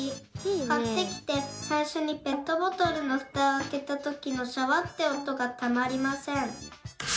かってきてさいしょにペットボトルのふたをあけたときのシャワッて音がたまりません。